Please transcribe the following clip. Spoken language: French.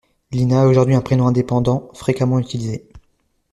Lina est aujourd'hui un prénom indépendant fréquemment utilisé.